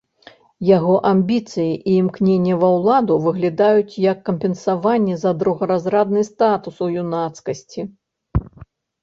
Яго амбіцыі і імкненне ва ўладу выглядаюць як кампенсаванне за другаразрадны статус у юнацкасці.